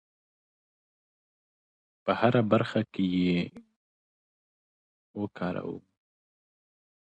په هره برخه کې یې وکاروو.